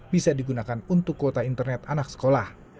bisa digunakan untuk kuota internet anak sekolah